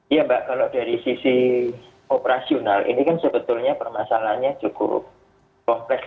iya mbak kalau dari sisi operasional ini kan sebetulnya permasalahannya cukup kompleks